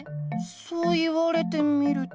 そう言われてみると。